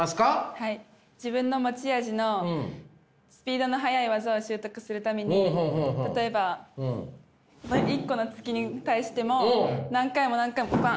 はい自分の持ち味のスピードの速い技を習得するために例えば１個の突きに対しても何回も何回もパン！